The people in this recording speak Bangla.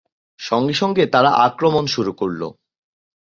সঙ্গে সঙ্গে তারা আক্রমণ শুরু করল।